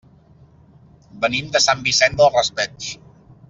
Venim de Sant Vicent del Raspeig.